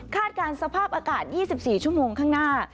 การสภาพอากาศ๒๔ชั่วโมงข้างหน้า